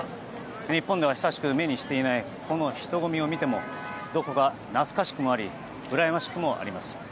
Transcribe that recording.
日本では久しく目にしていないこの人混みを見てもどこか懐かしくもありうらやましくもあります。